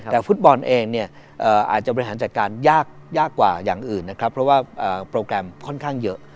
แต่ฟุตบอลเองเนี่ยอาจจะบริหารจัดการยากกว่าอย่างอื่นนะครับเพราะว่าโปรแกรมค่อนข้างเยอะ